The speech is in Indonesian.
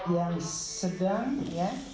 yang sedang ya